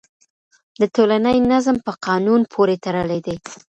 د ټولني نظم په قانون پورې تړلی دی.